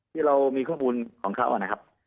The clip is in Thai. ที่เรามีข้อมูลของเขานะครับ